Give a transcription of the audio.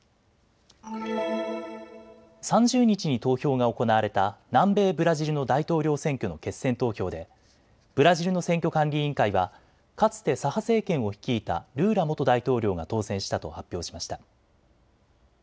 ３０日に投票が行われた南米ブラジルの大統領選挙の決選投票でブラジルの選挙管理委員会はかつて左派政権を率いたルーラ元大統領が当選したと発表しました。